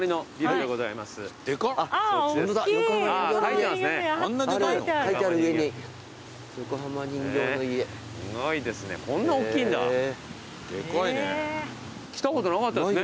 でかいね。来たことなかったですね。